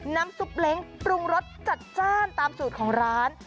น้ำซุปเล้งปรุงรสจัดจ้านตามสูตรของร้าน